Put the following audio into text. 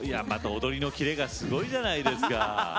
踊りのキレがすごいじゃないですか。